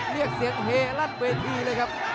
เรียกเสียงเฮลั่นเวทีเลยครับ